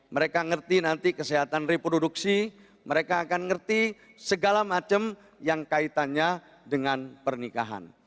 mereka ngerti nanti kesehatan reproduksi mereka akan ngerti segala macam yang kaitannya dengan pernikahan